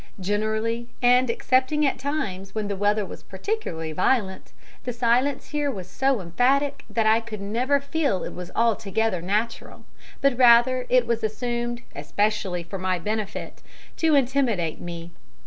Generally, and excepting at times when the weather was particularly violent, the silence here was so emphatic that I could never feel it was altogether natural, but rather that it was assumed especially for my benefit to intimidate me.